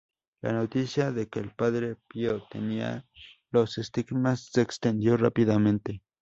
La noticia de que el padre Pío tenía los estigmas se extendió rápidamente.